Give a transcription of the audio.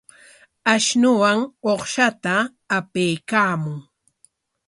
Ashunuwan uqshata apaykaamun.